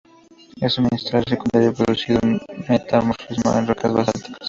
Es un mineral secundario producto del metamorfismo en rocas basálticas.